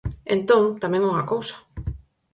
Entón, tamén unha cousa.